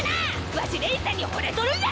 わしレイさんにほれとるんやど！？